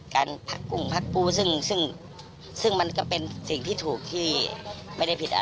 การพักกุ้งพักปูซึ่งซึ่งมันก็เป็นสิ่งที่ถูกที่ไม่ได้ผิดอะไร